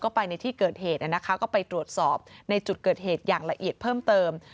ก็ไปในที่เกิดเหตุก็ไปตรวจสอบในจุดเกิดเหตุอย่างละเอียดเพิ่มเติม